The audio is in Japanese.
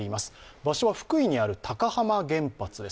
場所は福井にある高浜原発です。